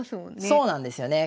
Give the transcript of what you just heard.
そうなんですよね。